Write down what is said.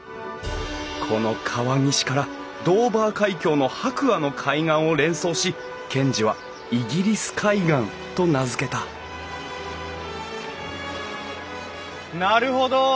この川岸からドーバー海峡の白亜の海岸を連想し賢治はイギリス海岸と名付けたなるほど。